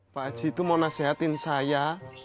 pak aji itu mau nasehatin saya